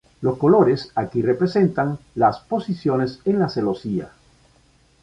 Los colores aquí representan las posiciones en la celosía.